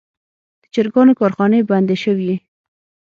د چرګانو کارخانې بندې شوي.